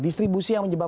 distribusi yang menjajakan